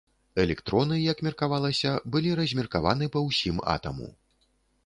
Электроны, як меркавалася, былі размеркаваны па ўсім атаму.